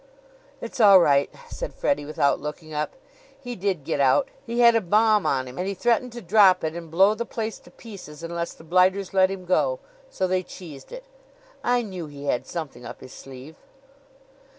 "It's all right," said Freddie without looking up. "He did get out! He had a bomb on him, and he threatened to drop it and blow the place to pieces unless the blighters let him go. So they cheesed it. I knew he had something up his sleeve."